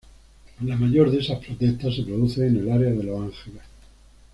La mayor de esas protestas se produce en el área de Los Ángeles.